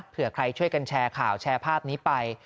เผื่อใครช่วยกันแชร์ข่าวแชร์ภาพนี้ไป